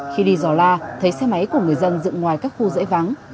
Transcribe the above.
khi đi giỏ la thấy xe máy của người dân dựng ngoài các khu rễ vắng